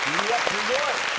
すごい。